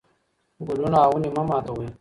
ګلونه او ونې مه ماتوئ.